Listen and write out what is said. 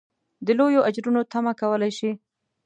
د لویو اجرونو تمه کولای شي.